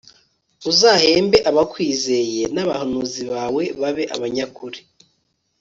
uzahembe abakwizeye n'abahanuzi bawe babe abanyakuri